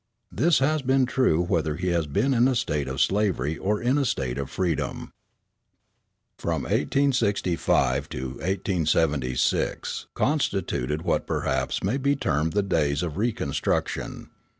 This has been true whether he has been in a state of slavery or in a state of freedom. From 1865 to 1876 constituted what perhaps may be termed the days of Reconstruction.